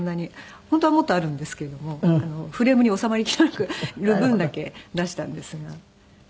本当はもっとあるんですけどもフレームに収まりきる分だけ出したんですが。